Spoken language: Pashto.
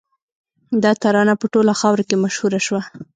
دا ترانه په ټوله خاوره کې مشهوره شوه